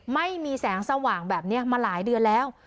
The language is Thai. ไม่มีแสงสว่างแบบนี้มาหลายเดือนแล้ว